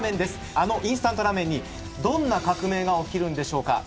あのインスタントラーメンにどんな革命が起きるんでしょうか？